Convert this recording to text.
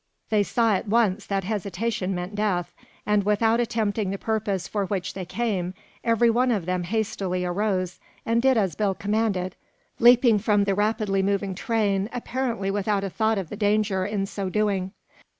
They saw at once that hesitation meant death, and without attempting the purpose for which they came, every one of them hastily arose and did as Bill commanded, leaping from the rapidly moving train apparently without a thought of the danger in so doing.